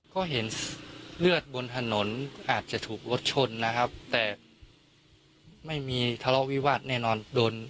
ก็เห็นเลือดบนถนนอาจจะถูกรถชนนะครับแต่ไม่มีทะเลาะวิวาสแน่นอนโดน